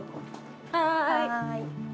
はい。